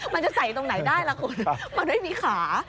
มันจะใส่ตรงไหนได้ล่ะคุณมันไม่มีขา